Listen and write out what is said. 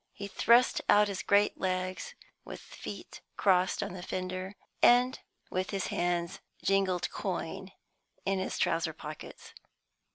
He thrust out his great legs with feet crossed on the fender, and with his hands jingled coin in his trouser pockets.